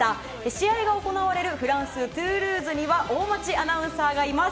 試合が行われるフランス・トゥールーズには大町アナウンサーがいます。